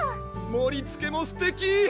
もりつけもすてき！